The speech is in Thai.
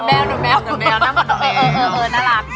เออน่ารัก